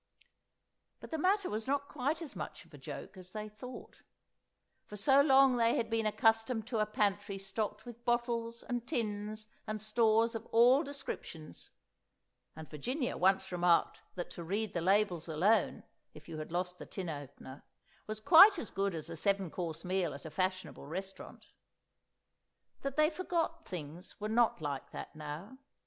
But the matter was not quite as much of a joke as they thought. For so long they had been accustomed to a pantry stocked with bottles and tins and stores of all descriptions (and Virginia once remarked that to read the labels alone—if you had lost the tin opener—was quite as good as a seven course meal at a fashionable restaurant), that they forgot things were not like that now!